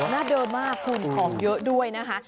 หน้าเดิมมากคุณของเยอะด้วยนะคะ